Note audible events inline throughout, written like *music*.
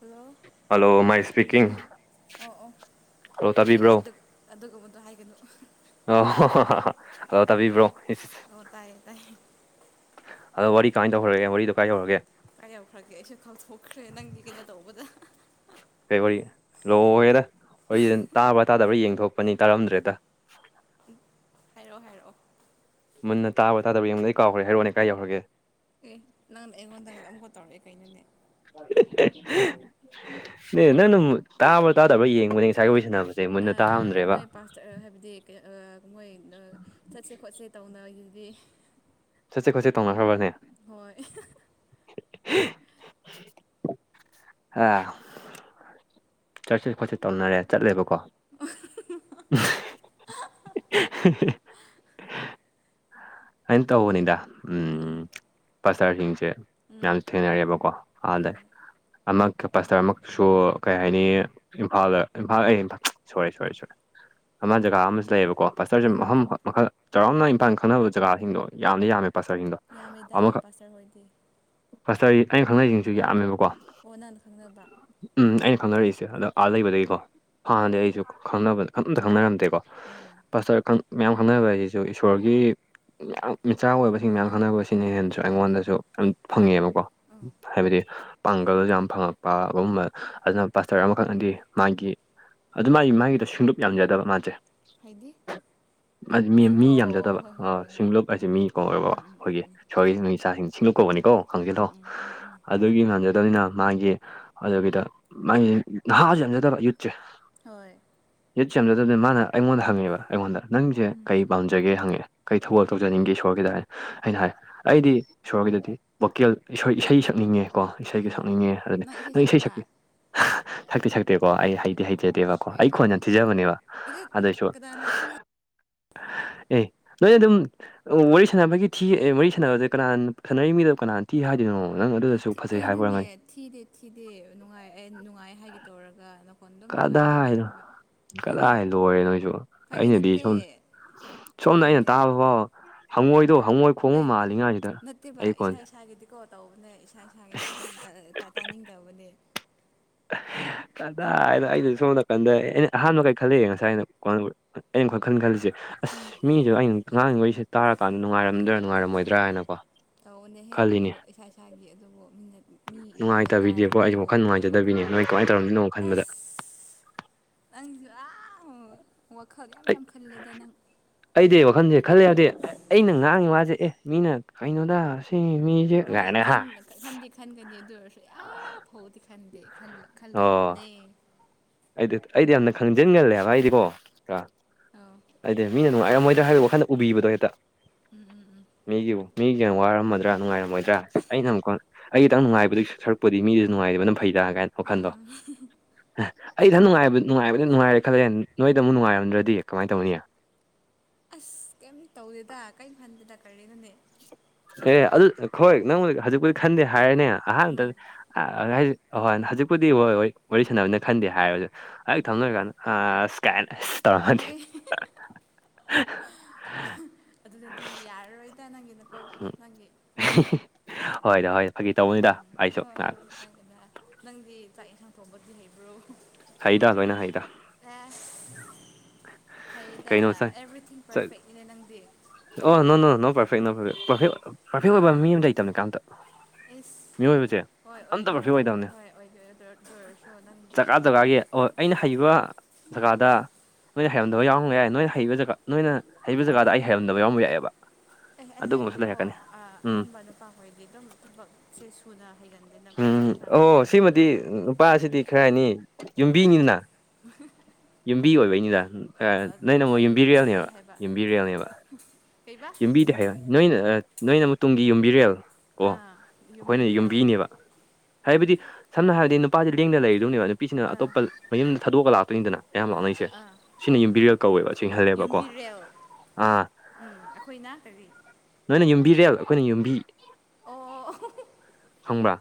hello hello ꯃꯥꯏ speaking ꯑꯣ ꯑꯣ hello ꯑꯩ ꯇꯥꯕꯤꯕ꯭ꯔꯣ ꯑꯗꯨ ꯑꯗꯨꯒꯨꯝꯕꯗꯣ ꯍꯥꯏꯒꯅꯨ ꯑꯣ ꯍ ꯑ ꯇꯥꯕꯤꯕ꯭ꯔꯣ ꯑꯣ ꯇꯥꯏꯌꯦ ꯇꯥꯏꯌꯦ ꯑꯗꯣ ꯋꯥꯔꯤ ꯀꯃꯥꯏꯅ ꯇꯧꯈ꯭ꯔꯒꯦ ꯋꯥꯔꯤꯗ ꯀꯥꯏ ꯌꯧꯔꯒꯦ ꯀꯥꯏ ꯌꯎꯈ꯭ꯔꯒꯦ ꯑꯩꯁꯨ ꯈꯥꯎꯊꯣꯛꯈ꯭ꯔꯦ ꯅꯪꯒꯤ ꯀꯩꯅꯣ ꯇꯧꯕꯗ ꯀꯩ ꯋꯥꯔꯤ ꯂꯣꯏꯔꯦꯗ ꯍꯣꯏ ꯇꯥꯕ꯭ꯔꯥ ꯇꯥꯗꯕ꯭ꯔꯥ ꯌꯦꯡꯊꯣꯛꯄꯅꯤ ꯇꯥꯔꯝꯗ꯭ꯔꯦꯗ ꯍꯥꯏꯔꯣ ꯍꯥꯏꯔꯛꯑꯣ ꯃꯟꯅ ꯇꯥꯕ ꯇꯥꯗꯕ ꯌꯦꯡꯕꯗꯩ ꯀꯥꯎꯈ꯭ꯔꯦ ꯍꯥꯏꯔꯣꯅꯦ ꯀꯥꯏꯌꯧꯈꯔꯒꯦ ꯑꯦ ꯅꯪꯅ ꯑꯩꯉꯣꯟꯗꯒ ꯑꯃꯨꯛ ꯇꯧꯔꯛꯑꯦ ꯀꯩꯅꯣꯅꯦ ꯅꯦ ꯅꯪꯅ ꯇꯥꯕ꯭ꯔꯥ ꯇꯥꯗꯕ꯭ꯔꯥ ꯌꯦꯡꯕꯅꯦ ꯉꯁꯥꯏꯗꯣ ꯋꯥꯔꯤ ꯁꯥꯟꯅꯕ ꯁꯦ ꯃꯨꯟꯅ ꯇꯥꯔꯝꯗ꯭ꯔꯦꯕ ꯥꯄꯥꯥꯁꯇꯔ ꯍꯥꯏꯕꯗꯤ ꯃꯣꯏ ꯆꯠꯁꯦ ꯈꯣꯠꯁꯦ ꯇꯧꯅꯒꯤꯗꯨꯗꯤ ꯆꯠꯁꯦ ꯈꯣꯠꯁꯦ ꯇꯧꯅꯈ꯭ꯔꯕꯅꯦ ꯍꯥ ꯆꯠꯁꯦ ꯈꯣꯠꯁꯦ ꯇꯧꯅꯔꯦ ꯆꯠꯂꯦꯕꯀꯣ ꯍꯥꯏꯅ ꯇꯧꯕꯅꯤꯗ ꯎꯝ ꯄꯥꯥꯁꯇ꯭ꯔꯁꯤꯡꯁꯦ ꯎꯝ ꯌꯥꯝ ꯊꯦꯡꯅꯔꯦꯕꯀꯣ ꯑꯥꯗ ꯑꯃꯛ ꯀ ꯄꯥꯁꯇꯔ ꯑꯃꯈꯛꯁꯨ ꯀꯩ ꯍꯥꯏꯅꯤ ꯏꯝꯐꯥꯜꯗ ꯏꯝꯐꯥꯜ ꯑꯩ ꯁꯣꯏꯔꯦ ꯁꯣꯏꯔꯦ ꯁꯣꯏꯔꯦ ꯑꯃ ꯖꯒꯥ ꯑꯃꯁꯨ ꯂꯩꯌꯦꯕꯀꯣ ꯄꯥꯁꯇꯔꯁꯦ ꯎꯝ ꯃꯐꯝ ꯃꯈꯜ ꯆꯥꯎꯔꯥꯛꯅ ꯏꯝꯐꯥꯟ ꯈꯪꯅꯕ ꯖꯒꯥꯁꯤꯡꯗꯣ ꯌꯥꯝꯗꯤ ꯌꯥꯝꯃꯦ ꯄꯥꯁꯇꯔꯁꯤꯡꯗꯣ ꯌꯥꯝꯃꯦꯗ ꯄꯥꯁꯇꯔ ꯍꯣꯏꯗꯤ ꯄꯥꯥꯁꯇꯔꯒꯤ ꯑꯩꯅ ꯈꯪꯅꯩꯁꯤꯡꯁꯨ ꯌꯥꯝꯃꯦꯕꯀꯣ ꯑꯣ ꯅꯪꯅ ꯈꯪꯅꯕ ꯎꯝ ꯑꯩꯅ ꯈꯪꯅꯔꯛꯏꯁꯦ ꯑꯗꯣ ꯑꯥ ꯂꯩꯕꯗꯒꯤꯀꯣ ꯍꯣꯏ ꯍꯥꯟꯅꯗꯤ ꯑꯩꯁꯨ ꯈꯪꯅꯕ ꯑꯝꯇ ꯈꯪꯅꯔꯝꯗꯦꯀꯣ ꯑꯣ ꯄꯥꯁꯇꯔ ꯃꯌꯥꯝ ꯈꯪꯅꯕ ꯍꯥꯏꯁꯤꯁꯨ ꯏꯁꯣꯔꯒꯤ ꯌꯥꯝ ꯃꯤꯆꯥ ꯑꯣꯏꯕꯁꯤꯡ ꯃꯌꯥꯝ ꯈꯟꯅꯕꯁꯤꯅ ꯍꯦꯟꯅꯁꯨ ꯑꯩꯉꯣꯟꯗꯁꯨ ꯑ ꯐꯪꯉꯑꯦꯕꯀꯣ ꯑꯣ ꯍꯥꯏꯕꯗꯤ ꯄꯥꯡꯒꯜ ꯌꯥꯝ ꯐꯪꯉꯛꯄ ꯒꯨꯝꯕ ꯑꯗꯨꯅ ꯄꯥꯁꯇꯔ ꯑꯃꯈꯛꯅꯗꯤ ꯃꯥꯒꯤ ꯑꯗꯨ ꯃꯥꯒꯤ ꯃꯥꯒꯤꯗꯣ ꯁꯨꯡꯂꯨꯞ ꯌꯥꯝꯖꯗꯕ ꯃꯥꯁꯦ ꯍꯥꯏꯗꯤꯁꯤꯡ ꯑꯣ ꯑꯣ ꯍꯣꯏ ꯍꯣꯏ ꯍꯣꯏ ꯍꯣꯏ ꯍꯣꯏ ꯑꯩꯁꯦ ꯃꯤ ꯀꯧꯋꯦꯕ ꯎꯝ ꯎꯝ ꯎꯝ ꯑꯩꯈꯣꯏꯒꯤ ꯎꯝ ꯁꯣꯔꯒꯤꯁꯤꯅ ꯏꯆꯥꯁꯤꯡ ꯎꯝ ꯁꯤꯡꯂꯨꯞꯀꯧꯕꯅꯤꯀꯣ ꯎꯝ ꯎꯝ ꯈꯪꯖꯤꯜꯂꯣ ꯎꯝ ꯎꯝ ꯎꯝ ꯑꯗꯨꯒꯤ ꯉꯥꯟꯖꯗꯕꯅꯤꯅ ꯃꯥꯒꯤ ꯍꯖꯥꯕꯤꯗ ꯃꯥꯥꯒꯤ ꯅꯍꯥꯁꯨ ꯌꯥꯝꯖꯗꯕ ꯌꯨꯠꯁꯦ ꯍꯣꯏ ꯌꯦꯠ ꯆꯝꯖꯗꯕꯅꯤ ꯃꯥꯅ ꯑꯩꯉꯣꯟꯗ ꯍꯪꯉꯦꯕ ꯑꯩꯉꯣꯟꯗ ꯅꯪꯁꯦ ꯀꯩ ꯄꯥꯟꯖꯒꯦ ꯍꯪꯉꯛꯑꯦ ꯀꯔꯤ ꯊꯧꯒꯜ ꯇꯧꯖꯅꯤꯡꯒꯦ ꯏꯁꯣꯔꯒꯤꯗ ꯍꯥꯏ ꯑꯩꯅꯥ ꯍꯥꯏ ꯑꯩꯗꯤ ꯏꯁꯣꯔꯒꯤꯗꯗꯤ ꯚꯣꯀꯦꯜ ꯏꯁꯩ ꯏꯁꯩ ꯁꯛꯅꯤꯡꯉꯦ ꯀꯣ ꯏꯁꯩꯒ ꯎꯝ ꯁꯛꯅꯤꯡꯉꯦ ꯑꯗꯨꯅꯦ ꯅꯪ ꯏꯁꯩ ꯁꯛꯀꯦ ꯁꯛꯇꯤ ꯁꯛꯇꯦꯀꯣ ꯑꯩ ꯍꯩꯗꯤ ꯍꯩꯖꯗꯦꯕ ꯀꯣ ꯑꯩ ꯑꯦ ꯈꯣꯟ ꯌꯥꯝ ꯊꯤꯖꯕꯅꯦꯕ ꯑꯗꯨ ꯑꯗꯨꯑꯣꯏꯁꯨ ꯀꯅꯥꯅ ꯊꯤ ꯅꯣ ꯑꯗꯨꯝ ꯋꯥꯔꯤ ꯁꯥꯟꯅꯕꯒꯤ ꯊꯤ ꯋꯥꯔꯤ ꯁꯥꯟꯅꯕꯁꯦ ꯀꯅꯥ ꯁꯥꯟꯅꯔꯤꯃꯤꯗꯕꯨ ꯀꯅꯥꯅ ꯊꯤ ꯍꯥꯏꯗꯣꯏꯅꯣ ꯅꯪ ꯑꯗꯨꯗꯁꯨ ꯐꯖꯩ ꯍꯥꯏꯕꯥ ꯀꯩꯅꯣꯅꯦ ꯑꯣꯏꯔꯝꯒꯅꯤ ꯊꯤꯗꯦ ꯊꯤꯗꯦ ꯅꯨꯡꯉꯥꯏ ꯑꯦ ꯅꯨꯡꯉꯥꯏ ꯍꯥꯏꯒꯦ ꯇꯧꯔꯒ ꯅꯈꯣꯟ ꯑꯗꯨꯝ ꯅꯨꯡꯉꯥꯏ ꯍꯥꯏꯒꯦ ꯀꯗꯥꯏꯅꯣ ꯇꯧꯔꯒ ꯀꯗꯥꯏ ꯂꯣꯏꯔꯦ ꯅꯣꯏꯁꯨ ꯐꯥꯒꯤ ꯑꯩꯅꯗꯤ ꯅꯠꯇꯦ ꯁꯣꯝ ꯁꯣꯝꯗ ꯑꯩꯅ ꯀꯩꯅꯣꯅꯦ ꯇꯥꯕ ꯐꯥꯎ ꯍꯪꯉꯣꯏꯗꯣ ꯍꯪꯉꯣꯏ ꯈꯣꯡꯕ ꯑꯦ ꯃꯥꯜꯂꯤꯉꯥꯏꯁꯤꯗ ꯅꯠꯇꯦꯕ ꯑꯩ ꯏꯁꯥ ꯀꯣꯟꯁꯦ ꯏꯁꯥꯒꯤꯗꯤꯀꯣ ꯇꯧꯕꯅꯦ ꯏꯁꯥ ꯏꯁꯥꯒꯤꯗꯤ ꯑꯗꯨꯝ ꯇꯥ ꯇꯥ ꯇꯥꯅꯤꯡꯗꯕꯅꯦ ꯀꯗꯥꯏꯗꯥ ꯑꯩꯅ ꯁꯣꯝ ꯅꯀꯟꯗ ꯑꯩꯅ ꯑꯍꯥꯟꯕ ꯀꯩ ꯈꯜꯂꯤ ꯉꯁꯥꯏꯅ *unintelligible* ꯑꯩ ꯋꯥꯈꯟ ꯈꯟ ꯈꯜꯂꯤꯁꯦ ꯎꯝ ꯑꯁ ꯃꯤꯁꯨ ꯑꯩꯅ ꯉꯥꯡꯉꯤ ꯋꯥꯔꯤꯁꯤ ꯇꯥꯔꯀꯥꯟꯗ ꯅꯨꯡꯉꯥꯏꯔꯝꯗ꯭ꯔꯥ ꯅꯨꯡꯉꯥꯏꯔꯝꯃꯣꯏ꯭ꯗꯔ ꯍꯥꯏꯅꯀꯣ ꯇꯧꯕꯅꯦꯍꯦ ꯈꯜꯂꯤꯅꯦ ꯑꯩꯈꯣꯏꯁꯨ ꯏꯁꯥ ꯏꯁꯥꯒꯤ ꯑꯗꯨꯕꯨ ꯃꯤꯅꯠ ꯃꯤ ꯃꯤꯅ ꯅꯨꯡꯉꯥꯏꯇꯕꯤꯗꯤꯀꯣ ꯇꯥꯔꯗꯤ ꯑꯩꯁꯦ ꯋꯥꯈꯜ ꯑꯗꯨꯒꯨꯝꯕꯗꯤ ꯇꯧꯔꯣꯏꯗ ꯅꯨꯡꯉꯥꯏꯖꯗꯕꯤꯅꯦ ꯅꯣꯏ ꯀꯃꯥꯏꯅ ꯇꯧꯔꯝꯗꯣꯏꯅꯣ ꯈꯟꯕꯗ ꯑꯁ ꯅꯪꯁꯨ ꯑꯥꯎ ꯋꯥꯈꯜ ꯑꯩ ꯌꯥꯝ ꯌꯥꯝ ꯈꯜꯂꯦꯗ ꯅꯪ ꯑꯩꯗꯤ ꯋꯥꯈꯟꯁꯦ ꯈꯜꯂꯦ ꯍꯥꯏꯕꯗꯤ ꯑꯩꯅ ꯉꯥꯡꯉꯤ ꯋꯥꯁꯦ ꯑꯦ ꯃꯤꯅ ꯀꯩꯅꯣꯗ ꯁꯤꯒꯤ ꯃꯤ ꯍꯣꯏ ꯈꯟꯗꯤ ꯈꯟꯒꯅꯤ ꯑꯗꯨ ꯑꯣꯏꯔꯁ ꯑꯥ ꯐꯧꯕꯗꯤ ꯈꯟꯗꯦ ꯈꯟꯂ ꯑꯣ ꯈꯜꯂꯣꯏꯗꯕꯅꯦ ꯑꯩꯗꯤ ꯑꯩꯗꯤ ꯌꯥꯝꯅ ꯈꯪꯖꯤꯟꯒꯜꯂꯦ ꯍꯥꯏꯕ ꯑꯩꯗꯤ ꯀꯣ ꯑ *unintelligible* ꯍꯥꯏꯗꯤ ꯃꯤꯅ ꯅꯨꯡꯉꯥꯏꯔꯝꯃꯣꯏꯗ꯭ꯔꯥ ꯍꯥꯏꯕꯩ ꯋꯥꯈꯜꯗ ꯎꯕꯤꯕꯗꯣ ꯍꯦꯛꯇ ꯎꯝ ꯎꯝ ꯎꯝ ꯃꯤꯒꯤꯕꯨ ꯃꯤꯒꯤ ꯋꯥꯔꯝꯃꯗ꯭ꯔꯥ ꯅꯨꯡꯉꯥꯏꯔꯝꯃꯣꯏꯗ꯭ꯔꯥ ꯑꯩꯅ ꯑꯃꯨꯛꯀ ꯑꯩꯒꯤꯇꯪ ꯅꯨꯡꯉꯥꯏꯕꯗꯨꯏ ꯁꯔꯨꯛꯄꯨꯗꯤ ꯃꯤꯁꯨꯅꯨꯡꯉꯥꯏꯕꯅ ꯐꯩ ꯗ ꯒꯥꯏ ꯑ *unintelligible* ꯑꯩ ꯊꯟ ꯅꯨꯡꯉꯥꯏꯕ ꯅꯨꯡꯉꯥꯏꯕꯅ ꯅꯨꯡꯉꯥꯏꯔꯦ ꯈꯜꯂꯦ ꯅꯣꯏꯗ ꯃꯨꯛ ꯅꯨꯡꯉꯥꯏꯔꯝꯗ꯭ꯔꯗꯤ ꯀꯃꯥꯏ ꯇꯧꯅꯤ ꯑꯁ ꯀꯩꯝ ꯇꯧꯗꯦꯗ ꯀꯩꯌꯤꯝ ꯈꯟꯗꯦꯗ ꯀꯔꯤꯅꯣꯅꯦ ꯑꯦ ꯑꯗꯨ ꯍꯣꯏ ꯅꯪ ꯍꯧ ꯍꯧꯖꯤꯛꯄꯨꯗꯤ ꯈꯟꯗꯦ ꯍꯥꯏꯔꯦꯅꯦ ꯑꯍꯥꯟꯕꯗ ꯎꯝ ꯍꯧꯖꯤꯛꯄꯨꯗꯤ ꯍꯣꯏ ꯍꯣꯏ ꯋꯥꯔꯤ ꯁꯥꯟꯅꯕꯅ ꯈꯟꯗꯦ ꯍꯥꯏꯔꯁꯨ ꯑꯩ ꯊꯝꯅꯔꯒꯥꯟ ꯑꯥꯁ ꯀꯥꯏꯅ ꯏꯁ ꯇꯧꯔꯗꯤ ꯑꯦ ꯑꯗꯨꯅꯗꯤ ꯌꯥꯔꯔꯣꯏꯗ ꯅꯪꯒꯤ ꯅꯀꯣꯛꯇꯣ ꯅꯪꯒꯤ *unintelligible* ꯍꯣꯏꯗ ꯍꯣꯏ ꯐꯥꯒꯤ ꯇꯧꯕꯅꯤꯗ ꯎꯝ ꯑꯩꯁꯨ ꯍꯣꯏ ꯀꯥꯢꯗꯦꯗ ꯅꯪꯗꯤ ꯆꯥꯛ ꯏꯟꯁꯥꯡ ꯊꯣꯡꯕꯗꯤ ꯍꯩꯕ꯭ꯔꯣ ꯍꯩꯗ ꯂꯣꯏꯅꯥ ꯍꯩꯗꯥ ꯍꯦꯁ ꯐꯩꯌꯦꯗ ꯀꯩꯅꯣ ꯆꯥꯏ ꯑꯦꯚ꯭ꯔꯤꯊꯤꯡ ꯄꯔꯐꯦꯛ ꯅꯤꯅꯦ ꯅꯪꯗꯤ ꯑꯣ ꯅꯣ ꯅꯣ ꯅꯣ ꯄꯔꯐꯦꯛ ꯅꯣ ꯄꯔꯐꯦꯛ ꯄꯥꯔꯐꯦꯛ ꯄꯥꯔꯐꯦꯛ ꯑꯣꯏꯕ ꯃꯤ ꯑꯃ ꯂꯩꯇꯕꯅꯦ ꯀꯅꯥꯝꯇ ꯏꯁ ꯃꯤꯑꯣꯏꯕꯁꯦ ꯍꯣꯏ ꯑꯝꯇ ꯑꯣꯏꯗꯤ ꯄ꯭ꯔꯐꯦꯛ ꯑꯣꯏ ꯑꯣꯏꯗꯕꯅꯦ ꯍꯣꯏ ꯑꯣꯏꯗꯤ ꯑꯣꯏ ꯑꯗꯨ ꯑꯣꯏꯔꯁꯨ ꯅꯪꯗꯤ ꯖꯒꯥ ꯖꯒꯥꯒꯤ ꯑꯣ ꯑꯩꯅ ꯍꯩꯕ ꯖꯒꯥꯗ ꯅꯣꯏꯅ ꯍꯩꯔꯝꯗꯕ ꯌꯥꯎꯔꯝꯕ ꯌꯥꯏ ꯅꯣꯏꯅ ꯍꯩꯕ ꯖꯒ ꯅꯣꯏꯅ ꯍꯩꯕ ꯖꯒꯥꯗ ꯑꯩ ꯍꯩꯔꯝꯗꯕ ꯌꯥꯎꯔꯝꯕ ꯌꯥꯏꯌꯦꯕ ꯑꯦ ꯑꯩꯅ ꯍꯥꯏꯕꯗꯤꯀꯣ ꯎꯝ ꯑꯅꯝꯕ ꯅꯨꯄꯥꯈꯣꯏꯗꯤ ꯑꯗꯨꯝ ꯊꯕꯛꯁꯦ ꯁꯨꯅ ꯍꯩꯒꯟ ꯎꯝ ꯑꯣ ꯁꯤꯃꯗꯤ ꯅꯨꯄꯥꯁꯤꯗꯤ ꯈꯔ ꯍꯥꯏꯅꯤ ꯍꯣꯏ ꯌꯨꯝꯕꯤꯅꯤꯅ *unintelligible* ꯌꯨꯝꯕꯤ ꯑꯣꯏꯕꯩꯅꯤꯗ ꯅꯣꯏꯅꯥ ꯑꯃꯨꯛ ꯐꯩ ꯐꯩꯌꯦ ꯌꯨꯝꯕꯤꯔꯦꯜꯅꯦꯕ ꯍꯥꯏꯕ ꯌꯨꯝꯕꯤꯔꯦꯜꯅꯦꯕ ꯀꯩꯕꯥ ꯌꯨꯝꯕꯤꯗꯤ ꯍꯩ *unintelligible* ꯅꯣꯏꯅ ꯅꯣꯏꯅꯃꯨꯛ ꯇꯨꯡꯒꯤ ꯌꯨꯝꯕꯤꯔꯦꯜ ꯀꯣ ꯑꯥ ꯑꯩꯈꯣꯏꯅ ꯌꯨꯝꯕꯤꯔꯦꯜ ꯌꯨꯝꯕꯤꯅꯦꯕ ꯍꯥꯏꯕꯗꯤ ꯁꯝꯅ ꯍꯥꯏꯔꯗꯤ ꯅꯨꯄꯥꯗꯤ ꯂꯦꯡꯗꯅ ꯂꯩꯔꯗꯧꯅꯦꯕ ꯅꯨꯄꯤꯁꯤꯅ ꯑꯥ ꯑꯇꯣꯞꯄ ꯃꯌꯨꯝꯗ ꯊꯥꯗꯣꯛꯑꯒ ꯂꯥꯛꯇꯣꯏꯅꯤꯗꯅ ꯑꯌꯥꯝ ꯑꯥ ꯂꯥꯛꯅꯔꯤꯁꯦ ꯑꯥ ꯑꯁꯤꯅ ꯌꯨꯝꯕꯤ ꯔꯦꯜ ꯀꯧꯋꯦꯕ ꯁꯤ *unintelligible* ꯌꯨꯝꯕꯤꯔꯦꯜ ꯎꯝ ꯑꯩꯈꯣꯏꯅ ꯀꯔꯤ ꯅꯣꯏꯅ ꯌꯨꯝꯕꯤꯔꯦꯜ ꯑꯩꯈꯣꯏꯅ ꯌꯨꯝꯕꯤ ꯑꯣ *unintelligible* ꯈꯪꯕ꯭ꯔꯥ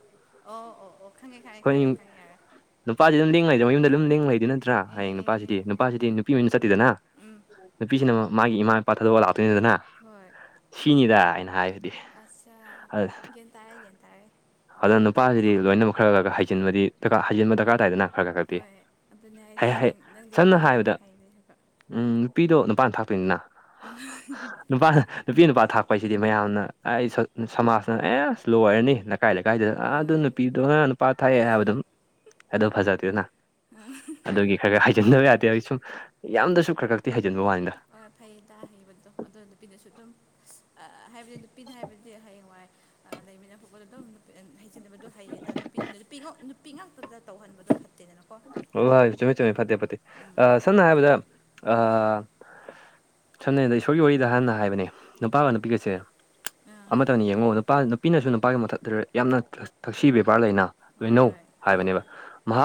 ꯑꯣ ꯑꯣ ꯑꯣ ꯈꯪꯉꯦ ꯈꯪꯉꯦ ꯈꯪꯉꯦ ꯑꯩꯈꯣꯏꯅ ꯈꯪꯉꯦ ꯌꯥꯔꯦ ꯅꯨꯄꯥꯁꯤ ꯑꯗꯨꯝ ꯂꯦꯡ ꯂꯩꯗꯦ ꯃꯌꯨꯝꯗ ꯑꯗꯨꯝ ꯂꯦꯡ ꯂꯩꯗꯨꯏ ꯅꯠꯇ꯭ꯔꯥ ꯎꯝ ꯍꯥꯌꯦꯡ ꯎꯝ ꯅꯨꯄꯥꯁꯤꯗꯤ ꯎꯝ ꯎꯝ ꯅꯨꯄꯥꯁꯤꯗꯤ ꯎꯝ ꯅꯨꯄꯤ ꯑꯣꯏꯅ ꯆꯠꯇꯦꯗꯅ ꯎꯝ ꯅꯨꯄꯤꯁꯤꯅ ꯃꯥꯒꯤ ꯏꯃꯥ ꯏꯄꯥ ꯊꯥꯗꯣꯛꯑ ꯂꯥꯛꯇꯣꯏꯅꯤꯗꯅ ꯍꯣꯏ ꯁꯤꯅꯤꯗ ꯑꯩꯅ ꯍꯥꯏꯕ ꯑꯆꯥꯥ ꯒ꯭ꯌꯟꯇꯥꯔꯦ ꯒ꯭ꯌꯟꯇꯥꯔꯦ ꯑꯗꯨ ꯅꯨꯄꯥꯁꯤꯗꯤ ꯂꯣꯏꯅꯃꯛ ꯈꯔ ꯈꯔ ꯈ ꯍꯩꯖꯤꯟꯕꯗꯤ ꯍꯩꯖꯤꯟꯕ ꯗꯔꯀꯥꯔ ꯇꯥꯏꯗꯅ ꯈꯔ ꯈꯔ ꯈꯔꯗꯤ ꯍꯣꯏ ꯑꯗꯨꯅꯦ ꯍꯩ ꯍꯥꯏꯁꯦ ꯍꯩ ꯅꯪ ꯅꯪꯗꯤ ꯑꯗꯨꯝ ꯁꯝꯅ ꯍꯩ ꯍꯥꯏꯔꯕꯗ ꯍꯩꯔꯦ ꯍꯥꯏꯕ ꯎꯝ ꯅꯨꯄꯤꯗꯣ ꯅꯨꯄꯥꯅ ꯊꯥꯛꯇꯣꯏꯅꯤꯅ ꯅꯨꯄꯥꯅ ꯅꯨꯄꯤ ꯅꯨꯄꯥ ꯊꯥꯛꯄ ꯍꯥꯏꯁꯤꯗꯤ ꯃꯌꯥꯝꯅ ꯑꯩ ꯁꯃꯥꯖꯅ ꯑꯦꯁ ꯂꯣꯏꯔꯅꯤ ꯂꯩꯀꯥꯏ ꯂꯩꯀꯥꯏꯗ ꯑꯥ ꯑꯗꯨ ꯍꯣꯏ ꯅꯨꯄꯤꯗꯨꯅ ꯅꯨꯄꯥ ꯊꯥꯛꯑꯦ ꯍꯥꯏꯕꯗ ꯑꯗꯨꯝ ꯑꯗꯣ ꯐꯖꯗꯦꯗꯅ ꯑꯨꯝ *unintelligible* ꯑꯗꯨꯒꯤ ꯈꯔ ꯈꯔ ꯍꯩꯖꯟꯗꯕ ꯌꯥꯗꯦ ꯍꯥꯏꯁꯨꯝ ꯌꯥꯝꯗ꯭ꯔꯁꯨ ꯈꯔ ꯈꯔꯛꯇꯤ ꯍꯩꯖꯤꯟꯕ ꯋꯥꯅꯤꯗ ꯍꯣꯏ ꯐꯩꯌꯦ ꯇ ꯍꯩꯕꯗꯣ ꯑꯗꯨ ꯅꯨꯄꯤꯅꯁꯨ ꯑꯗꯨꯝ ꯑ ꯍꯥꯏꯕꯗꯤ ꯅꯨꯄꯤꯅ ꯍꯥꯏꯕꯗꯤ ꯍꯌꯦꯡꯋꯥꯏ ꯂꯩꯃꯤꯟꯅꯕ ꯈꯣꯢꯗꯗꯨꯝ ꯍꯩꯖꯟꯅꯕꯗꯣ ꯍꯩꯌꯦ ꯅꯨꯄꯤ ꯅꯨꯄꯤ ꯅꯨꯄꯤ ꯉꯥꯛꯇꯗ ꯇꯧꯍꯟꯕꯗꯣ ꯐꯠꯇꯦ ꯇꯦꯗꯅꯀꯣ ꯍꯣꯏ ꯍꯣꯏ ꯆꯨꯝꯃꯦ ꯆꯨꯝꯃꯦ ꯐꯠꯇꯦ ꯐꯠꯇꯦ ꯑ ꯁꯝꯅ ꯍꯥꯏꯔꯕꯗ ꯑ ꯁꯝꯅ ꯍꯥꯢꯔꯕꯗ ꯏꯁꯣꯔꯒꯤ ꯋꯥꯔꯤꯗ ꯍꯥꯟꯅ ꯍꯥꯏꯕꯅꯦ ꯅꯨꯄꯥꯒ ꯅꯨꯄꯤꯒꯁꯦ ꯑꯥ ꯑꯃꯇꯅꯤ ꯌꯦꯡꯉꯣ ꯅꯨꯄꯥ ꯅꯨꯄꯤꯅꯁꯨ ꯅꯨꯄꯥꯒꯤ ꯃꯊꯛꯇ ꯌꯥꯝꯅ ꯊꯛꯁꯤ ꯕꯦꯕꯥꯔ ꯂꯩꯅ ꯍꯣꯏ ꯂꯣꯏꯅꯧ ꯍꯣꯏ ꯍꯣꯏ ꯍꯥꯏꯕꯅꯦꯕ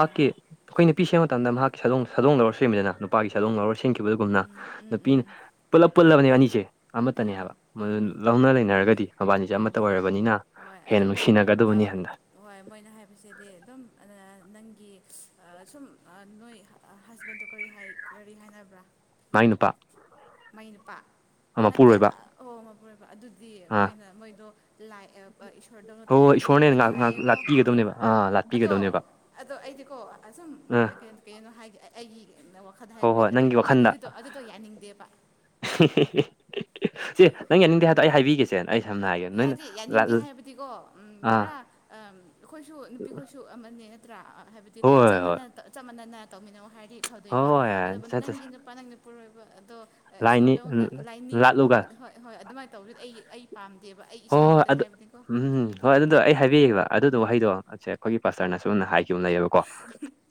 ꯑꯥ ꯑꯩꯈꯣꯏ ꯅꯨꯄꯤ ꯁꯦꯝꯕ ꯃꯇꯝꯗ ꯃꯍꯥꯛꯀꯤ ꯁꯥꯗꯣꯡ ꯁꯗꯣꯡ ꯂꯧꯔ ꯁꯦꯝꯃꯤꯗꯅ ꯅꯨꯄꯥꯒꯤ ꯁꯥꯗꯣꯡ ꯂꯧꯔ ꯁꯤꯟꯈꯤꯕꯗꯨꯨꯝꯅ ꯎꯝ ꯎꯝ ꯎꯝ ꯎꯝ ꯄꯨꯜꯂꯞ ꯄꯨꯜꯂꯕꯅꯦ ꯑꯅꯤꯁꯦ ꯑꯃꯠꯇꯅꯦ ꯎꯝ ꯍꯥꯏꯕ ꯎꯝ ꯃꯗꯨ ꯎꯝ ꯎꯝ ꯂꯧꯅ ꯂꯩꯅꯔꯒꯗꯤ ꯃꯕꯥꯅꯤꯁꯦ ꯑꯃꯠꯇ ꯎꯝ ꯑꯣꯏꯔꯕꯅꯤꯅ ꯍꯣꯏ ꯍꯦꯟꯅ ꯑꯗꯨꯕꯨ ꯅꯨꯡꯁꯤꯅꯒꯗꯕꯅꯤ ꯍꯟꯗ ꯍꯣꯏ ꯃꯣꯏꯅ ꯍꯥꯏꯕꯁꯤꯗꯤ ꯑꯗꯨꯝ ꯑꯗꯨꯅ ꯅꯪꯒꯤ ꯁꯨꯝ ꯅꯣꯏ ꯍꯁꯕꯦꯟꯗꯣ ꯀꯔꯤ ꯀꯔꯤ ꯍꯥꯏꯅꯕ꯭ꯔꯥ ꯃꯥꯏ ꯅꯨꯄꯥ ꯃꯥꯢ ꯅꯨꯄꯥ ꯅꯠꯇꯦ ꯃꯄꯨꯔꯣꯏꯕ ꯑꯣ ꯃꯄꯨꯔꯣꯏꯕ ꯑꯗꯨꯗꯤ ꯑꯥ ꯃꯣꯏꯅ ꯃꯣꯏꯗꯣ ꯂꯥꯛꯑꯦ ꯈꯔꯗꯧꯅ ꯍꯣꯏ ꯍꯣꯏ ꯇꯧꯅꯤ ꯏꯁꯣꯔꯅ ꯈꯣꯠꯅꯤ ꯍꯦꯟꯅ ꯉꯥꯛ ꯉꯥꯛ ꯍꯥꯏꯌꯦꯀꯣ ꯂꯥꯠꯄꯤꯒꯗꯕꯅꯦꯕ ꯑꯥ ꯑꯗꯣ ꯂꯥꯠꯄꯤꯒꯗꯕꯅꯦꯕ ꯑꯗꯣ ꯑꯩꯗꯤꯀꯣ ꯑꯁꯨꯝ ꯑꯥ ꯀꯩꯒꯤꯅꯣ ꯍꯥꯏꯗꯤ ꯑꯩ ꯑꯩꯒꯤ ꯋꯥꯈꯜꯗ ꯍꯥꯏ ꯍꯣꯏ ꯍꯣꯏ ꯑꯩꯗꯤ ꯅꯪꯒꯤ ꯑꯗꯨꯒꯨꯝꯕ ꯑꯩꯗꯤ ꯑꯗꯨꯗꯣ ꯑꯗꯨꯗꯣ ꯌꯥꯅꯤꯡꯗꯦꯕ ꯁꯤ ꯅꯪ ꯌꯥꯅꯤꯡꯗꯦ ꯍꯥꯏꯗꯣ ꯑꯩ ꯍꯥꯏꯕꯤꯒꯦꯁꯦ ꯑꯩ ꯁꯝꯅ ꯍꯥꯢꯒꯦ ꯌꯥꯗꯦ ꯌꯥꯅꯤꯡꯗꯦ ꯍꯥꯏꯕꯗꯤꯀꯣ ꯑꯥ ꯄꯨꯔꯥ ꯑꯩꯈꯣꯏꯁꯨ ꯅꯨꯄꯤꯈꯣꯏꯁꯨ ꯁꯨ ꯑꯃꯅꯤ ꯅꯠꯇ꯭ꯔꯥ ꯍꯥꯏꯕꯗꯤ ꯍꯣꯏ ꯍꯣꯏ ꯆꯞ ꯍꯣꯏ ꯃꯥꯟꯅ ꯆꯞ ꯃꯥꯟꯅꯅ ꯇꯧꯃꯤꯟꯅꯧ ꯍꯥꯏꯔꯗꯤ ꯐꯗꯣꯏꯕ ꯑꯗꯨ ꯍꯣꯏ ꯆꯠ ꯆꯠ ꯅꯪꯒꯤ ꯅꯨꯄꯥ ꯅꯪ ꯅꯨꯄꯨꯔꯣꯏꯕ ꯑꯗꯣ ꯂꯥꯏꯅꯤ ꯏꯁꯣꯔꯗꯧꯅ ꯂꯥꯏꯅꯤꯡ ꯍꯣꯏ ꯂꯥꯠꯂꯨꯒ ꯍꯣꯏ ꯍꯣꯏ ꯑꯗꯨꯃꯥꯏꯅ ꯇꯧꯕꯗꯨꯗꯤ ꯑꯩ ꯑꯩ ꯄꯥꯝꯗ ꯍꯣꯏ ꯍꯣꯏ ꯑꯗꯨ ꯎꯝꯝ ꯍꯣꯏ ꯑꯗꯨꯗꯣ ꯑꯩ ꯍꯥꯏꯕꯤꯒꯦꯕ ꯑꯗꯨꯗꯣ ꯋꯥꯍꯩꯗꯣꯁꯦ ꯑꯩꯈꯣꯏꯒꯤ ꯄꯥꯁꯇꯔꯅꯁꯨꯝꯅ ꯍꯥꯏꯈꯤꯕ ꯂꯩꯌꯦꯕꯀꯣ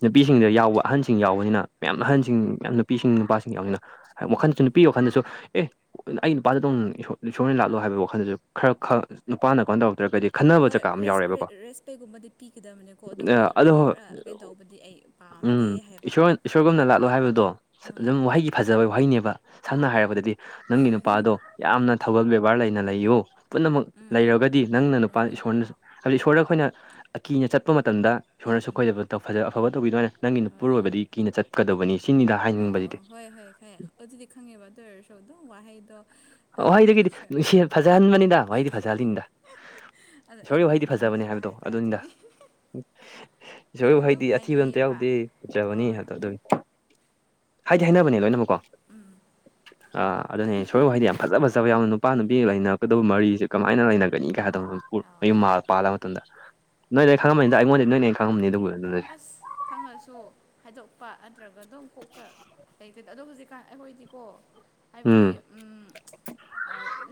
ꯅꯨꯄꯤꯁꯤꯡꯗ ꯌꯥꯎꯕ ꯑꯍꯟꯁꯤꯡ ꯌꯥꯎꯕꯅꯤꯅ ꯃꯌꯥꯝ ꯑꯥ ꯑꯍꯟꯁꯤꯡ ꯃꯌꯥꯝ ꯅꯨꯄꯤꯁꯤꯡ ꯅꯨꯄꯥꯁꯤꯡ ꯌꯥꯝꯎꯅꯤꯅ ꯋꯥꯈꯜꯗꯁꯨ ꯅꯨꯄꯤꯒꯤ ꯋꯥꯈꯜꯗꯁꯨ ꯑꯦ ꯑꯩ ꯅꯨꯄꯥꯗ ꯑꯗꯨꯝ ꯏꯁꯣꯔꯅꯦ ꯂꯥꯛꯂꯣ ꯍꯥꯏꯕ ꯋꯥꯈꯜꯗꯁꯨ ꯈꯔ ꯈꯔ ꯅꯨꯄꯥꯅ ꯀꯩꯅꯣ ꯇꯧꯔꯛꯇ꯭ꯔꯒꯗꯤ ꯈꯟꯅꯕ ꯍꯣꯏ ꯆꯀꯥ ꯑꯃ ꯔꯦꯁ ꯌꯥꯎꯔꯦꯕꯀꯣ ꯔꯦꯁ ꯄꯦꯒꯨꯝꯕꯗꯤ ꯄꯤꯒꯗꯕꯅꯦꯀꯣ ꯑꯗꯨꯕꯨ ꯑꯗꯣ ꯄꯨꯔꯥ ꯀꯩꯅꯣ ꯇꯧꯕꯗꯤ ꯑꯩ ꯄꯥꯝꯗꯦ ꯎꯝ ꯍꯥꯏꯕ ꯏꯁꯣꯔ ꯏꯁꯣꯔꯒꯨꯝꯅ ꯂꯥꯛꯂꯣ ꯍꯥꯏꯕꯗꯣ ꯍꯣꯏ ꯑꯗꯨꯝ ꯋꯥꯍꯩꯒꯤ ꯐꯖꯕ ꯋꯥꯍꯩꯅꯦꯕ ꯁꯝꯅ ꯍꯣꯏ ꯍꯥꯏꯔꯕꯗꯗꯤ ꯅꯪꯒꯤ ꯅꯨꯄꯥꯗꯣ ꯌꯥꯝꯅ ꯊꯧꯒꯜ ꯕꯦꯕꯥꯔ ꯂꯩꯅ ꯂꯩꯌꯣ ꯄꯨꯝꯅꯃꯛ ꯎꯝ ꯎꯝ ꯂꯩꯔꯒꯗꯤ ꯅꯪꯅ ꯎꯝ ꯅꯨꯄꯥ ꯎꯝ ꯏꯁꯣꯔꯅ ꯍꯥꯏꯕꯗꯤ ꯏꯁꯣꯔꯗ ꯑꯩꯈꯣꯏꯅ ꯑꯀꯤꯅ ꯆꯠꯄ ꯃꯇꯝꯗ ꯎꯝ ꯏꯁꯣꯔꯅꯁꯨ ꯎꯝ ꯈꯣꯏꯗꯕ ꯐꯖ ꯑꯐꯕ ꯇꯧꯕꯤꯗ ꯅꯪꯒꯤ ꯍꯣꯏ ꯅꯨꯄꯨꯔꯣꯏꯕꯗꯤ ꯀꯤꯅ ꯆꯠꯀꯗꯕꯅꯤ ꯁꯤꯅꯤꯗ ꯑꯣ ꯍꯥꯏꯅꯤꯡꯕꯁꯤꯗꯤ ꯑꯣ ꯍꯣꯏ ꯍꯣꯏ ꯈ ꯑꯗꯨꯗꯤ ꯈꯪꯉꯦꯕ ꯑꯗꯨ ꯑꯣꯏꯔꯁꯨ ꯑꯗꯨꯝ ꯋꯥꯍꯩꯗꯣ ꯋꯥꯍꯩꯗꯒꯤꯗꯤ ꯅꯨꯡꯁꯤ ꯐꯖꯍꯟꯕꯅꯤꯗ ꯋꯥꯍꯩꯗꯤ ꯐꯖꯍꯜꯂꯤꯅꯤꯗ ꯎ *inaudible* ꯏꯁꯣꯔꯒꯤ ꯋꯥꯍꯩꯗꯤ ꯐꯖꯕꯅꯦ ꯍꯥꯏꯕꯗꯣ ꯑꯗꯨꯅꯤꯗ ꯁꯨꯝ ꯏꯁꯣꯔꯕꯨ ꯍꯩꯗꯤ ꯑꯗꯨꯝ ꯑꯊꯤꯕ ꯑꯝꯇ ꯍꯥꯏꯅꯩꯌꯦꯕ ꯌꯥꯎꯗꯦ ꯐꯖꯕꯅꯤ ꯍꯣꯏ ꯍꯥꯏ ꯑꯗꯨ ꯍꯥꯏꯗꯤ ꯑꯗꯣ ꯍꯥꯏꯅꯕꯅꯦ ꯂꯣꯏꯅꯃꯛꯀꯣ ꯎꯝ ꯑꯥ ꯑꯗꯨꯅꯦ ꯁꯣꯏꯌꯨ ꯍꯥꯏꯗꯤ ꯌꯥꯝ ꯐꯖ ꯐꯖꯕ ꯌꯥꯎꯅ ꯅꯨꯄꯥ ꯅꯨꯄꯤ ꯂꯩꯅꯔꯛꯀꯗꯕ ꯃꯔꯤꯁꯦ ꯀꯃꯥꯏꯅ ꯂꯩꯅꯒꯅꯤꯒꯥꯏꯗꯧ ꯑꯥꯎ ꯃꯌꯨꯝ ꯄꯥꯜꯂꯒ ꯅꯣꯏ ꯂꯣꯢꯅ ꯈꯪꯉꯝꯃꯅꯤꯗ ꯑꯩꯉꯣꯟꯗꯤ ꯅꯣꯏ ꯍꯦꯟꯅ ꯈꯪꯉꯝꯅꯤ ꯑꯗꯨꯕꯨ ꯑꯁ ꯈꯪꯉꯁꯨ ꯍꯥꯏꯗꯣꯛꯄ ꯅꯠꯇ꯭ꯔꯒ ꯑꯗꯨꯝ ꯀꯣꯛꯇ ꯂꯩꯇꯗ ꯑꯗꯣ ꯍꯧꯖꯤꯛ ꯑꯩꯈꯣꯏꯗꯤꯀꯣ ꯍꯥꯏꯕꯗꯤ ꯎꯝ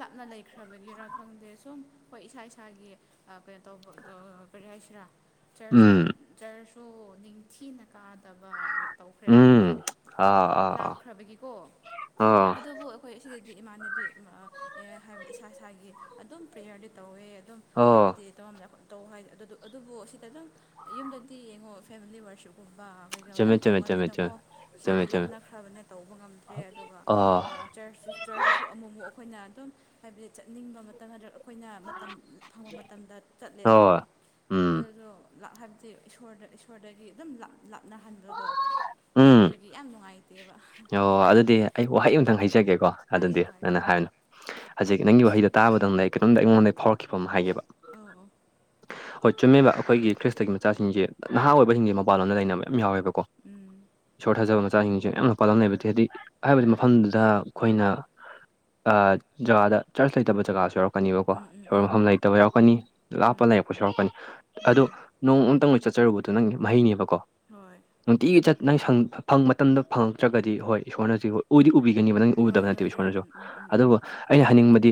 ꯂꯥꯞꯅ ꯂꯩꯈ꯭ꯔꯕꯒꯤꯔꯥ ꯈꯪꯗꯦ ꯁꯨꯝ ꯑꯩꯈꯣꯏ ꯏꯁꯥ ꯏꯁꯥꯒꯤ ꯑ ꯀꯩꯅꯣ ꯇꯧꯕ ꯀꯩ ꯍꯤꯢꯁꯤꯔ ꯆꯔꯁꯨ ꯎꯝ ꯆꯔꯁꯨ ꯅꯤꯡꯊꯤꯅ ꯀꯥꯗꯕ ꯇꯧꯈ꯭ꯔꯦꯕ ꯎꯝ ꯑꯩꯈꯣꯏꯗꯤ ꯑꯥ ꯑꯥ ꯂꯥꯞꯈ꯭ꯔꯕꯒꯤꯀꯣ ꯑꯥ ꯑꯥ ꯑꯗꯨꯕꯨ ꯑꯩꯈꯣꯏ ꯑꯁꯤꯗꯗꯤ ꯏꯃꯥꯟꯅꯕꯤ ꯍꯥꯏꯕꯗꯤ ꯏꯁꯥ ꯏꯁꯥꯒꯤ ꯑꯗꯨꯝ ꯄ꯭ꯔꯦꯌꯔꯗꯤ ꯇꯧꯋꯦ ꯑꯗꯨꯝ ꯑꯣ ꯍꯥꯏꯕꯗꯤ ꯇꯧꯝ ꯇꯧ ꯍꯥꯏ ꯑꯗꯨꯕꯨ ꯁꯤꯗꯇꯪ ꯌꯨꯝꯗ ꯁꯤ ꯌꯦꯡꯉꯣ ꯐꯦꯃꯤꯂꯤ ꯋꯥꯔꯁꯤꯞꯀꯨꯝꯕ ꯩꯗ ꯆꯨꯝꯃꯦ ꯌꯥꯝ ꯆꯨꯝꯃꯦ ꯆꯨꯝꯃꯦ ꯇꯧꯒꯜꯂꯤꯗꯀꯣ ꯆꯨꯝꯃꯦ ꯆꯨꯝꯃꯦ ꯁꯤꯗꯗꯤ ꯆꯨꯝꯃꯦ ꯂꯥꯞꯅꯈ꯭ꯔꯕꯅꯦ ꯇꯧꯕ ꯉꯝꯗ꯭ꯔꯦ ꯑꯗꯨꯒ ꯑꯣ ꯆꯔꯆꯇꯨ ꯆꯔꯆꯇꯨꯁꯨ ꯑꯃꯨꯛꯃꯨꯛ ꯑꯈꯣꯏꯅ ꯑꯗꯨꯝ ꯍꯥꯏꯕꯗꯤ ꯆꯠꯅꯤꯡꯕ ꯃꯇꯝ ꯅꯠꯇ꯭ꯔꯒ ꯑꯩꯈꯣꯏꯅ ꯃꯇꯝ ꯐꯪꯕ ꯃꯇꯝꯗ ꯆꯠꯂꯦꯕ ꯍꯣꯏ ꯎꯝ ꯑꯗꯨꯗꯣ ꯍꯥꯏꯕꯗꯤ ꯏꯁꯣꯔꯗ ꯏꯁꯣꯔꯗꯒꯤ ꯑꯗꯨꯝ ꯂꯥꯞꯅꯍꯟꯕꯗꯣ ꯎꯝ ꯑꯗꯨꯒꯤ ꯌꯥꯝ ꯅꯨꯡꯉꯥꯏꯇꯦꯕ ꯑꯣ ꯑꯗꯨꯗꯤ ꯑꯩ ꯋꯥꯍꯩ ꯑꯝꯇꯪ ꯍꯩꯖꯒꯦꯀꯣ ꯑꯗꯨꯗꯤ ꯍꯥꯏꯌꯣ ꯍꯥꯏꯌꯣ ꯅꯪꯟꯅ ꯍꯥꯏꯕꯅꯨ ꯍꯧꯖꯤꯛ ꯅꯪꯒꯤ ꯋꯥꯍꯩꯗ ꯇꯥꯕꯗꯪꯅ ꯑꯩ ꯀꯩꯅꯇꯣꯝꯇ ꯑꯩꯉꯣꯟꯗ ꯐꯥꯎꯔꯛꯈꯤꯕ ꯑꯃ ꯍꯥꯏꯒꯦꯕ ꯑꯧ ꯑꯧ ꯍꯣꯏ ꯆꯨꯝꯃꯦꯕ ꯑꯩꯈꯣꯏꯒꯤ ꯈ꯭ꯔꯤꯁꯇꯒꯤ ꯃꯆꯥꯁꯤꯡꯁꯦ ꯅꯍꯥ ꯑꯣꯏꯕꯁꯤꯡꯁꯦ ꯃꯄꯥꯟ ꯂꯗ ꯂꯩꯅꯕ ꯌꯥꯝ ꯌꯥꯎꯋꯦꯕꯀꯣ ꯎꯝ ꯁꯣꯔꯠꯊꯥꯖꯕ ꯃꯆꯥꯁꯤꯡꯁꯨꯦ ꯌꯥꯝꯅ ꯄꯥꯜꯂꯝ ꯎꯝ ꯂꯩꯕ ꯍꯥꯏꯗꯤ ꯍꯥꯏꯕꯗꯤ ꯃꯐꯝꯗꯨꯗ ꯑꯩꯈꯣꯏꯅ ꯑ ꯖꯒꯥꯗ ꯆꯔꯆ ꯂꯩꯇꯕ ꯖꯒꯥꯁꯨ ꯌꯥꯎꯔꯛꯀꯅꯦꯕꯀꯣ ꯎꯝ ꯁꯣꯟ ꯎꯝ ꯃꯐꯝ ꯂꯩꯇ ꯐꯠꯇꯕ ꯌꯥꯎꯔꯛꯀꯅꯤ ꯎꯝ ꯂꯥꯞꯄ ꯎꯝ ꯂꯩꯔꯛꯄꯁꯨ ꯌꯥꯎꯔꯛꯀꯅꯤ ꯑꯗꯣ ꯎꯝ ꯅꯣꯡ ꯑꯃꯨꯇꯪ ꯂꯣꯏ ꯆꯠꯆꯔꯨꯕꯗꯣ ꯅꯪꯒꯤ ꯃꯍꯩꯅꯦꯕꯀꯣ ꯍꯣꯏ ꯅꯨꯡꯇꯤꯒꯤ ꯆꯠ ꯅꯪ ꯁ ꯐꯪ ꯃꯇꯝꯗ ꯐꯪꯉꯛꯇ꯭ꯔꯒꯗꯤ ꯍꯣꯏ ꯏꯁꯣꯔꯅꯖꯤ ꯍ ꯑꯣꯏꯗꯤ ꯎꯕꯤꯒꯅꯤꯕ ꯅꯪ *unintelligible* ꯍꯣꯏ ꯎꯗꯕ ꯍꯣꯏ ꯅꯠꯇꯦꯕ ꯎꯝ ꯏꯁꯣꯔꯅꯁꯨ ꯎꯝ ꯎꯝ ꯎꯝ ꯑꯗꯨꯕꯨ ꯑꯩꯅ ꯍꯥꯏꯅꯤꯡꯕꯗꯤ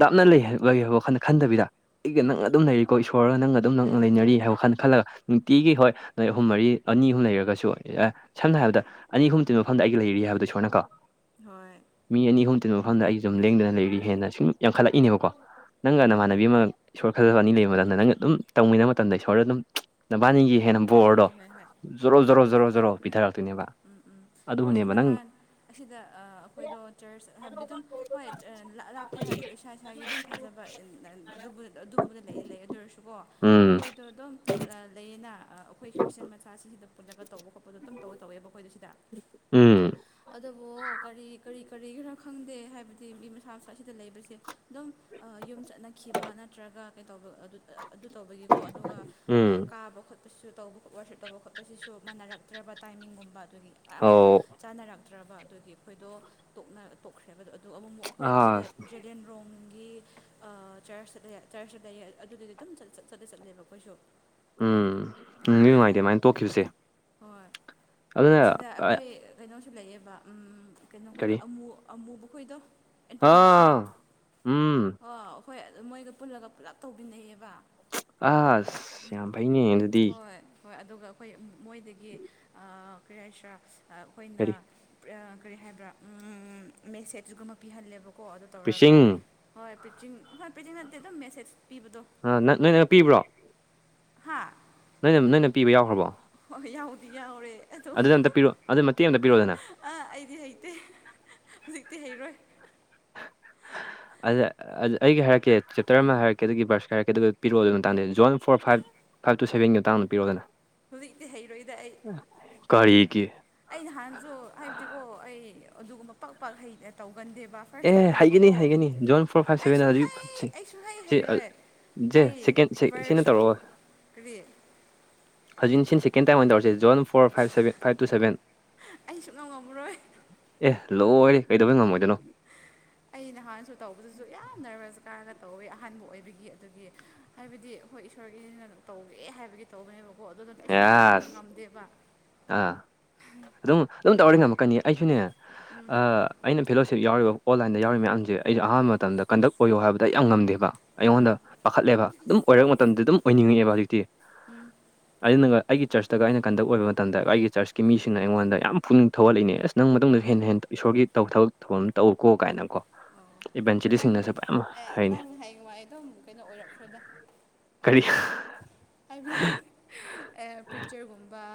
ꯂꯥꯥꯞꯅ ꯂꯩ ꯍꯥꯏꯕ ꯋꯥꯈꯟꯗ ꯈꯟꯗꯕꯤꯗ ꯑꯩꯒ ꯅꯪ ꯑꯗꯨꯝ ꯂꯩꯔꯤꯀꯣ ꯏꯁꯣꯔꯒ ꯅꯪꯒ ꯑꯗꯨꯝ ꯎꯝ ꯅꯛꯅ ꯎꯝ ꯂꯩꯅꯔꯤ ꯍꯥꯏꯕ ꯈꯜ ꯈꯜꯂꯒ ꯅꯨꯡꯇꯤꯒꯤ ꯍꯣꯏ ꯅꯣꯏ ꯑꯍꯨꯝ ꯃꯔꯤ ꯑꯅꯤ ꯑꯍꯨꯝ ꯂꯩꯔꯒꯁꯨ ꯑꯦ ꯁꯝꯅ ꯍꯥꯏꯔꯕꯗ ꯑꯅꯤ ꯑꯍꯨꯝ ꯇꯤꯟꯕ ꯃꯐꯝꯗ ꯑꯩꯒꯤ ꯂꯩꯔꯤ ꯍꯥꯏꯕꯗꯣ ꯏꯁꯣꯔ ꯅꯀꯣ ꯍꯣꯏ ꯃꯤ ꯑꯅꯤ ꯑꯍꯨꯝ ꯇꯤꯟꯕ ꯃꯐꯝꯗ ꯑꯩꯁꯨ ꯁꯨꯝ ꯂꯦꯡꯗꯅ ꯂꯩꯔꯤ ꯍꯦꯟꯅ ꯁꯨꯝ ꯌꯥꯝꯈꯠꯂꯛꯏꯅꯦꯕꯀꯣ ꯅꯪꯒ ꯎꯝ ꯅꯃꯅꯕꯤ ꯑꯃ ꯐꯖꯕ ꯑꯅꯤ ꯂꯩꯕ ꯃꯇꯝꯗ ꯅꯪꯒ ꯑꯗꯨꯝ ꯇꯧꯃꯤꯟꯅꯕ ꯃꯇꯝꯗ ꯏꯁꯣꯔꯗ ꯑꯗꯨꯝ ꯅꯕꯥꯅꯤꯡ ꯒꯤ ꯍꯦꯟꯅ ꯍꯣꯏ ꯕꯣꯔꯗꯣ ꯍꯣꯏ ꯍꯣꯏ ꯍꯣꯏ ꯖꯣꯔꯣ ꯖꯣꯔꯣ ꯍꯣꯏ ꯖꯣꯔꯣ ꯍꯣꯏ ꯖꯣꯔꯣ ꯍꯣꯏ ꯄꯤꯊꯔꯛꯇꯣꯏꯅꯦꯕ ꯎꯝ ꯎꯝ ꯑꯩꯈꯣꯏꯁꯨ ꯑꯗꯨꯅꯦꯕ ꯅꯪ ꯅꯍꯥꯟ ꯑꯁꯤꯗ ꯑꯩꯈꯣꯏꯗꯣ ꯆꯔꯆ ꯍꯥꯏꯕꯗꯤ ꯑꯗꯨꯝ ꯍꯣꯏ ꯂꯥꯞꯇꯦ ꯍꯥꯏꯔꯁꯨ ꯏꯁꯥ ꯏꯁꯥꯒꯤ ꯑꯗꯨꯝ ꯊꯥꯖꯕ ꯑꯗꯨꯒꯨꯝꯕꯗ ꯂꯩꯗꯤ ꯂꯩ ꯑꯗꯨ ꯑꯣꯏꯔꯁꯨꯀꯣ ꯎꯝ ꯑꯩꯈꯣꯏꯗꯣ ꯑꯗꯨꯝ ꯂꯩꯌꯦꯅ ꯑꯩꯈꯣꯏ ꯈ꯭ꯔꯤꯁꯇꯟ ꯃꯆꯥꯁꯤꯡꯁꯤꯗ ꯄꯨꯜꯂꯒ ꯇꯧꯕ ꯈꯣꯠꯄꯗ ꯑꯗꯨꯝ ꯇꯧꯋ ꯇꯧꯋꯦꯕ ꯑꯩꯈꯣꯏꯗ ꯁꯤ ꯑꯗꯨ ꯎꯝ ꯑꯗꯨꯕꯨ ꯀꯔꯤ ꯀꯔꯤ ꯀꯔꯤꯒꯤꯔ ꯈꯪꯗꯦ ꯍꯥꯏꯕꯗꯤ ꯃꯤ ꯃꯁꯥ ꯃꯁꯥꯁꯤꯗ ꯂꯩꯕꯁꯦ ꯑꯗꯨꯝ ꯌꯨꯝ ꯆꯠꯅꯈꯤꯕ ꯅꯠꯇ꯭ꯔꯒ ꯀꯩꯇꯧꯕ ꯑꯗꯨ ꯇꯧꯕꯒꯤꯀꯣ ꯑꯗꯨꯒ ꯎꯝ ꯇꯥꯕ ꯈꯣꯠꯄꯁꯨ ꯇꯧꯕ ꯈꯣꯠꯄꯔꯁꯨ *unintelligible* ꯇꯧꯕ ꯈꯣꯠꯄꯁꯤꯁꯨ ꯃꯥꯟꯅꯔꯛꯇ꯭ꯔꯕ ꯇꯥꯏꯃꯤꯡꯒꯨꯝꯕ ꯑꯗꯨꯒꯤ ꯃꯌꯥꯝ ꯐ ꯑꯧ ꯆꯥꯅꯔꯛꯇ꯭ꯔꯕ ꯑꯗꯨꯒꯤ ꯑꯩꯈꯣꯏꯗꯣ ꯇꯣꯛꯅ ꯇꯣꯛꯈ꯭ꯔꯦꯕꯗꯣ ꯑꯗꯨꯒ ꯑꯃꯨꯛ ꯑꯃꯨꯛ ꯑꯩꯈꯣꯏ ꯑꯁ ꯁꯤꯗ ꯗꯦꯟ ꯔꯣꯡꯒꯤ ꯆꯔꯆ ꯆꯔꯆ ꯆ ꯂꯩꯌꯦ ꯑꯗꯨꯗꯗꯤ ꯑꯗꯨꯝ ꯆꯠꯇ ꯆꯠꯂꯦꯕ ꯑꯩꯈꯣꯏꯁꯨ ꯎꯝ ꯅꯨꯡꯗꯤ ꯑꯗꯨꯅꯦꯗ ꯅꯨꯡꯉꯥꯏꯇꯦ ꯑꯗꯨꯃꯥꯏꯅ ꯇꯣꯛꯈꯤꯕꯁꯦ ꯍꯣꯏ ꯑꯗꯨꯅ ꯑꯁꯤꯗ ꯑꯩꯈꯣꯏ ꯀꯩꯅꯣꯁꯨ ꯂꯩꯌꯦꯦꯕ ꯀꯩꯅꯣꯈꯣꯏꯗꯣ ꯀꯔꯤ ꯑꯃꯨ ꯑꯃꯨꯕꯈꯣꯏꯗꯣ ꯏꯟꯇꯔꯅꯦꯁꯅꯦꯜ ꯑꯥ ꯎꯝ ꯑꯣ ꯍꯣꯏ ꯑꯗꯨ ꯃꯣꯏꯒ ꯄꯨꯜꯂꯒ ꯄꯨꯂꯞ ꯇꯧꯕꯤꯅꯦꯌꯦꯕ ꯑ ꯁ꯭ꯌꯥꯝꯃ ꯍꯣꯏ ꯍꯣꯏ ꯑꯗꯨꯒ ꯑꯩꯈꯣꯏ ꯃꯣꯏꯗꯒꯤ ꯀꯔ ꯍꯥꯏꯁꯔꯥ ꯑꯩꯈꯣꯏꯅ ꯀꯔꯤ ꯀꯔꯤ ꯍꯥꯏꯕ꯭ꯔꯥ ꯃꯦꯁꯦꯖꯒꯨꯝꯕ ꯄꯤꯍꯜꯂꯦꯕꯀꯣ ꯀꯣ ꯑꯗꯨ ꯇꯧꯔꯒ ꯄ꯭ꯔꯤꯁꯤꯡ ꯍꯣꯏ ꯄꯦꯆꯤꯡ ꯍꯣꯏ ꯄꯦꯆꯤꯡ ꯅꯠꯇꯦ ꯑꯗꯨꯝ ꯃꯦꯁꯦꯁ ꯄꯤꯕꯗꯣ ꯅꯪ ꯅꯣꯏ ꯅꯪ ꯄꯤꯕ꯭ꯔꯣ ꯍꯥꯥ ꯅꯣꯏꯅ ꯅꯣꯏꯅ ꯄꯤꯕ ꯌꯥꯎꯈ꯭ꯔꯕꯣ ꯍꯣꯏ ꯌꯥꯎꯗꯤ ꯌꯥꯎꯔꯦ ꯑꯗꯨꯗ ꯑꯝꯇ ꯄꯤꯔꯛ ꯑꯗꯨ ꯃꯇꯦꯛ ꯑꯃꯝꯇ ꯄꯤꯔꯑꯣꯗꯅ ꯑꯥ ꯑꯩꯗꯤ ꯍꯩꯇꯦ ꯍꯨꯖꯤꯛꯇꯤ ꯍꯩꯔꯣꯏ ꯑꯗ ꯑꯩꯒꯤ ꯍꯥꯏꯔꯛꯀꯦ ꯆꯦꯞꯇꯔ ꯑꯃ ꯍꯥꯏꯔꯛꯀꯦ ꯀꯩꯗꯨꯒꯤ ꯕꯔꯁ ꯈꯥꯏꯔ ꯀꯩꯗ ꯄꯤꯛꯑꯣ ꯑꯗꯨꯒꯤ ꯃꯇꯥꯡꯗꯗꯤ ꯖꯣꯟ ꯐꯣꯔ ꯐꯥꯏꯚ ꯐꯥꯏꯞ ꯇꯨ ꯁꯕꯦꯟꯒꯤ ꯃꯇꯥꯡꯗ ꯄꯤꯔꯣꯗꯅ *unintelligible* ꯍꯧꯖꯤꯛꯇꯤ ꯍꯩꯔꯣꯏꯗ ꯑꯩ ꯀꯔꯤꯒꯤ ꯑꯩ ꯅꯍꯥꯟꯁꯨ ꯍꯥꯏꯕꯗꯤꯀꯣ ꯑꯩ ꯑꯗꯨꯒꯨꯝꯕ ꯄꯥꯛ ꯄꯥꯛ ꯍꯩ ꯇꯧꯒꯟꯗꯦꯕ ꯐꯥꯔꯁ ꯑꯦ ꯍꯩꯒꯅꯤ ꯇꯥꯏꯝꯅꯦꯕꯀꯣ ꯍꯩꯒꯅꯤ ꯖꯣꯟ ꯐꯣꯔ ꯐꯥꯏꯚ ꯁꯚꯦꯟ ꯑꯩꯁꯨ ꯍꯧꯖꯤꯛ ꯍꯩ ꯁꯤ ꯑꯩꯁꯨ ꯍꯩ ꯍꯩꯔꯣꯏ ꯁꯦ ꯑꯩ ꯁꯦꯀꯦꯟ ꯁꯤꯅ ꯇꯧꯔꯛꯑꯣ ꯚꯔꯁꯔꯤ *unintelligible* ꯍꯧꯖꯤꯛꯅ ꯁꯤꯅ ꯁꯦꯀꯦꯟ ꯇꯥꯏꯝ ꯑꯣꯏꯅ ꯇꯧꯔꯁꯦ ꯖꯣꯟ four five seven five two seven ꯑꯩ ꯁꯨꯞꯅꯧ ꯉꯝꯃꯔꯣꯏ ꯑꯦ ꯂꯣꯏꯔꯦ ꯀꯩꯗꯧꯕꯩ ꯉꯝꯃꯣꯏꯗꯣꯏꯅꯣ ꯑꯩ ꯅꯍꯥꯟꯁꯨ ꯇꯧꯕꯗꯁꯨ ꯌꯥꯝ ꯅꯔꯕꯁ ꯔ ꯀꯥꯔꯒ ꯇꯧꯋꯦ ꯑꯍꯥꯟꯕ ꯑꯣꯏꯕꯒꯤ ꯑꯗꯨꯒꯤ ꯍꯥꯏꯕꯗꯤ ꯑꯩꯈꯣꯏ ꯏꯁꯣꯔꯒꯤꯅ ꯇꯧꯒꯦ ꯍꯥꯏꯕꯒꯤ ꯇꯧꯕꯅꯦꯕꯀꯣ ꯑꯗꯨꯅ ꯑꯩ ꯁꯨꯡꯇꯧ ꯌꯥꯁ ꯉꯝꯗꯦꯕ ꯑꯥ ꯑꯗꯨꯝ ꯑꯗꯨꯝ ꯇꯧꯔꯗꯤ ꯑꯗꯨꯅꯦꯗ ꯉꯝꯃꯛꯀꯅꯤ ꯑꯩꯁꯨꯅꯦ ꯎꯝ ꯑꯩꯅ ꯐꯦꯂꯣꯁꯤꯞ ꯌꯥꯎꯔꯤꯕ ꯑꯣꯟꯂꯥꯏꯟꯗ ꯌꯥꯎꯔꯤꯕ ꯃꯌꯥꯝꯁꯦ ꯑꯩꯁꯦ ꯑꯍꯥꯟꯕ ꯑꯧ ꯃꯇꯝꯗ ꯀꯟꯗꯛ ꯑꯣꯏꯌꯣ ꯍꯥꯏꯕꯗ ꯑꯩ ꯌꯥꯝ ꯉꯝꯗꯦꯕ ꯑꯥ ꯑꯩꯉꯣꯟꯗ ꯄꯥꯈꯠꯂꯦꯕ ꯑꯗꯨꯝ ꯑꯣꯏꯔꯛꯄ ꯃꯇꯝꯗꯗꯤ ꯑꯗꯨꯝ ꯑꯣꯏꯅꯤꯡꯉꯛꯑꯦꯕ ꯍꯧꯖꯤꯛꯇꯤ ꯎꯝ ꯑꯗꯨꯅ ꯑꯩꯒꯤ ꯆꯔꯁꯇꯒ ꯑꯩꯅ ꯀꯟꯗꯛ ꯑꯣꯏꯕ ꯃꯇꯝꯗ ꯑꯩꯒꯤ ꯆꯔꯁꯀꯤ ꯃꯤꯁꯤꯡꯅ ꯑꯩꯉꯣꯟꯗ ꯌꯥꯝ ꯄꯨꯛꯅꯤꯡ ꯊꯧꯒꯠꯂꯏꯅꯦ ꯑꯁ ꯅꯪ ꯃꯇꯨꯡꯗꯁꯨ ꯍꯣꯏ ꯍꯦꯟꯅ ꯍꯦꯟꯅ ꯏꯁꯣꯔꯒꯤꯧ ꯊꯕꯛ ꯊꯧꯕꯛ ꯇꯧꯀꯣ ꯀꯥꯏꯅꯀꯣ ꯑꯧ ꯅꯪ ꯏꯚꯦꯟꯆꯦꯂꯤꯁꯤꯡꯅꯁꯨ ꯃꯌꯥꯝ ꯑꯦ ꯍꯥꯏꯅꯦ ꯅꯪ ꯍꯥꯏꯌꯦꯡꯋꯥꯥꯏ ꯑꯗꯨꯝ ꯀꯩꯅꯣ ꯑꯣꯏꯔꯛꯈ꯭ꯔꯣꯗ ꯀꯔꯤ ꯍꯥꯏ ꯄꯤꯛꯆꯔꯒꯨꯝꯕ